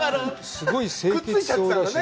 すごい清潔そうだしね。